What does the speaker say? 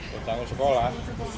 buat tanggung sekolah